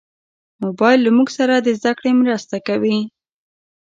موبایل له موږ سره د زدهکړې مرسته کوي.